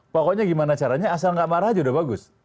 pokoknya gimana caranya asal nggak marah aja udah bagus